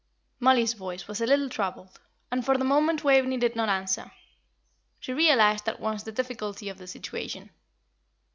Mollie's voice was a little troubled, and for the moment Waveney did not answer. She realised at once the difficulty of the situation.